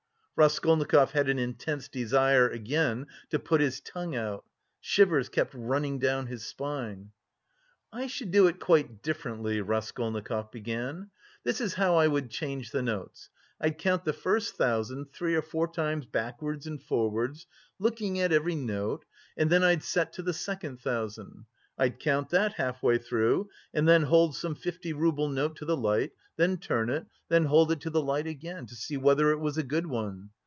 Raskolnikov had an intense desire again "to put his tongue out." Shivers kept running down his spine. "I should do it quite differently," Raskolnikov began. "This is how I would change the notes: I'd count the first thousand three or four times backwards and forwards, looking at every note and then I'd set to the second thousand; I'd count that half way through and then hold some fifty rouble note to the light, then turn it, then hold it to the light again to see whether it was a good one.